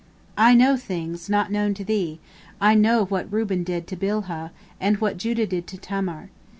I know things not known to thee—I know what Reuben did to Bilhah, and what Judah did to Tamar.